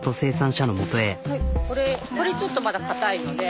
・これちょっとまだ硬いので。